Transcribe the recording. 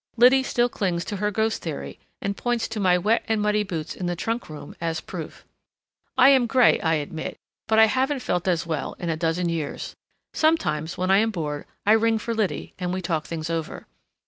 Liddy still clings to her ghost theory, and points to my wet and muddy boots in the trunk room as proof. I am gray, I admit, but I haven't felt as well in a dozen years. Sometimes, when I am bored, I ring for Liddy, and we talk things over.